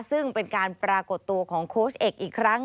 ซึ่งเป็นการปรากฏตัวของโค้ชเอกอีกครั้ง